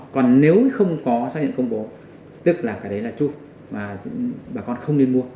còn nếu không có xác nhận công bố tức là cái đấy là chuông mà bà con không nên mua